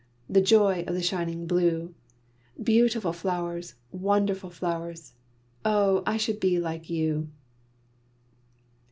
The joy of the shining blue! Beautiful flowers! wonderful flowers! Oh, I should like to be you!